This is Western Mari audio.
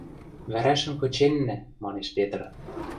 — Вӓрӓшӹм кыченнӓ, — манеш Петр.